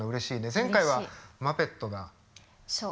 前回はマペットが。